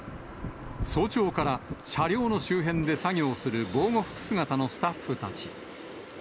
早朝から車両の周辺で作業する防護服姿のスタッフたち。